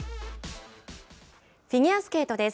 フィギュアスケートです。